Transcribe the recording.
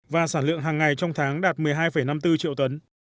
và sản lượng hàng ngày trong tháng đạt một mươi hai năm mươi bốn triệu tấn